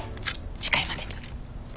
次回までに。